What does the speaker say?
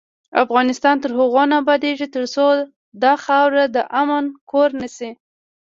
افغانستان تر هغو نه ابادیږي، ترڅو دا خاوره د امن کور نشي.